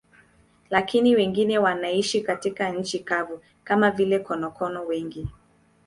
Lakini wengine wanaishi katika nchi kavu, kama vile konokono wengi.